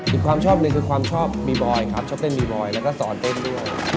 ความชอบหนึ่งคือความชอบบีบอยครับชอบเต้นบีบอยแล้วก็สอนเต้นด้วย